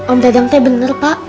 om dadang teh benar pak